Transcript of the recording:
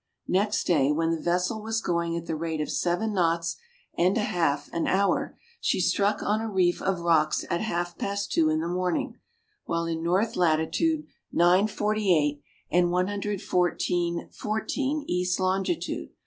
Next day, when the vessel was going at the rate of seven knots and a half an hour, she struck on a reef of rocks at half past two in the morning, while in north latitude 9 48, and 114 14 east longitude.